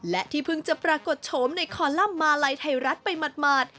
และที่เพิ่งจะปรากฏโฉมในคอลัมป์มาลัยไทยรัฐไปหมาด